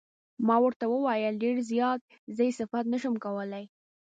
ما ورته وویل: ډېر زیات، زه یې صفت نه شم کولای.